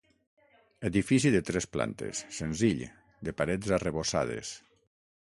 Edifici de tres plantes, senzill, de parets arrebossades.